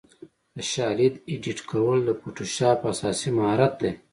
د شالید ایډیټ کول د فوټوشاپ اساسي مهارت دی.